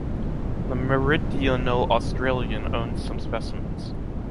The Meridional Australian owns some specimens.